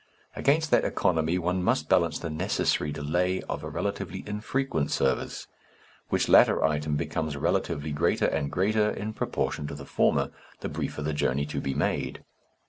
Against that economy one must balance the necessary delay of a relatively infrequent service, which latter item becomes relatively greater and greater in proportion to the former, the briefer the journey to be made.